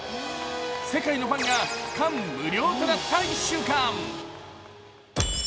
世界のファンが感無量となった１週間。